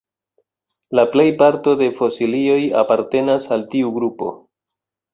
La plej parto de fosilioj apartenas al tiu grupo.